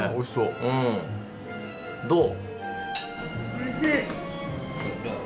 どう？